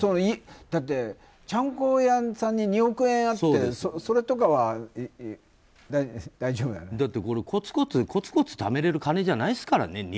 だって、ちゃんこ屋さんに２億円あってそれとかは大丈夫なの？だってこれ、コツコツためれる金じゃないですからね。